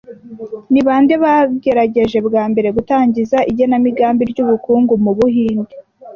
Ni bande bagerageje bwa mbere gutangiza igenamigambi ry'ubukungu mu Buhinde